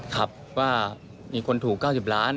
ครับว่ามีคนถูก๙๐ล้าน